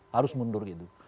harus mundur gitu